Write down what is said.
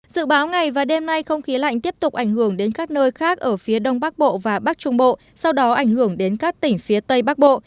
dự báo ngày và đêm nay không khí lạnh tiếp tục ảnh hưởng đến các nơi khác ở phía đông bắc bộ và bắc trung bộ sau đó ảnh hưởng đến các tỉnh phía tây bắc bộ